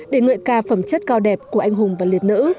để ngợi ca phẩm chất cao đẹp của anh hùng và liệt nữ